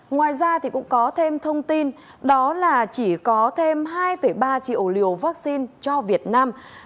ngoài ra thì cũng có thêm thông tin đó là chỉ có thêm hai ba triệu liều vaccine cho việt nam